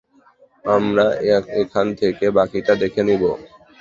আমরা এখান থেকে বাকিটা দেখে নিব।